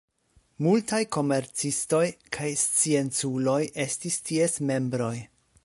Multaj komercistoj kaj scienculoj estis ties membroj.